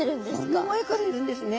そんな前からいるんですね。